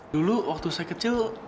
dulu waktu saya kecil